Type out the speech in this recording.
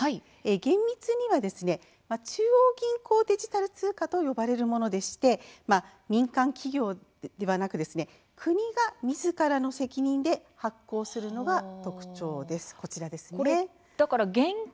厳密には「中央銀行デジタル通貨」と呼ばれるものでして民間企業ではなく国がみずからの責任で発行するのが特徴です。